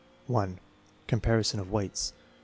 1. Comparison of weights.